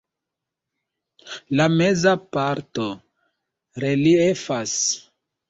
La meza parto reliefas.